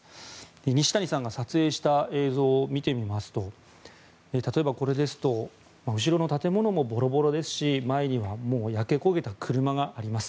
西谷さんが撮影した映像を見てみますと例えばこれですと後ろの建物もボロボロですし前には焼け焦げた車があります。